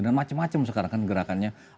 dan macam macam sekarang kan gerakannya